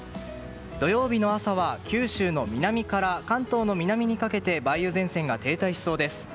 土曜日の朝は九州の南から関東の南にかけて梅雨前線が停滞しそうです。